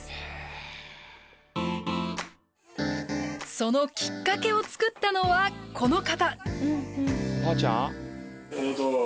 そのきっかけを作ったのはこの方。